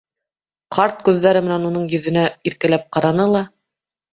Ҡарт күҙҙәре менән уның йөҙөнә иркәләп ҡараны ла: